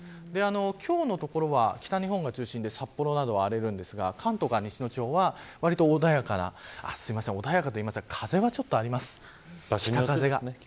今日のところは北日本を中心に札幌などが荒れるんですが関東から西の地方はわりと穏やかな穏やかと言いますが風はちょっとあります。